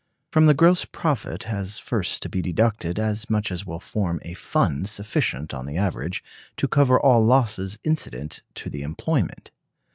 From the gross profit has first to be deducted as much as will form a fund sufficient on the average to cover all losses incident to the employment.